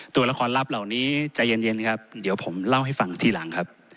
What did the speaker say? ตัวละครลับเหล่านี้ใจเย็นครับเดี๋ยวผมเล่าให้ฟังทีหลังครับ